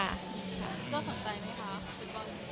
แล้วสนใจไหมคะฟุตบอล